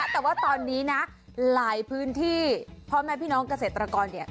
แต่ว่าตอนนี้นะหลายพื้นที่พ่อแม่พี่น้องเกษตรกรเนี่ย